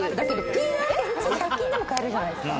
ピーラーって１００均でも買えるじゃないですか。